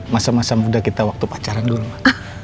masa masa muda kita waktu pacaran dulu mas